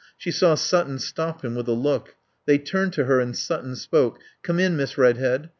She saw Sutton stop him with a look. They turned to her and Sutton spoke. "Come in, Miss Redhead.